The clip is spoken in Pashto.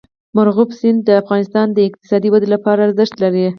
مورغاب سیند د افغانستان د اقتصادي ودې لپاره ارزښت لري.